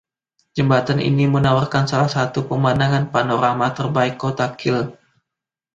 Jembatan ini menawarkan salah satu pemandangan panorama terbaik kota Kiel.